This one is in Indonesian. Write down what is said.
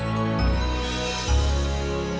dan darah yang satu